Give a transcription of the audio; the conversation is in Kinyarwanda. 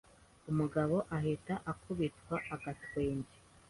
Umugabo ahita akubitwa agatwenge,